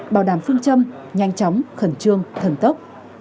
bảo đảm phương châm nhanh chóng khẩn trương thần tốc